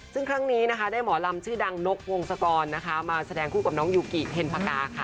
ซึ่งครั้งนี้นะคะได้หมอลำชื่อดังนกวงศกรนะคะมาแสดงคู่กับน้องยูกิเฮนภากาค่ะ